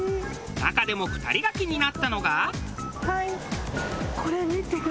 中でも２人が気になったのが。